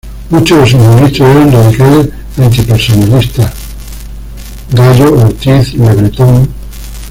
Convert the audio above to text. Muchos de sus ministros eran radicales antipersonalistas: Gallo, Ortiz, Le Breton.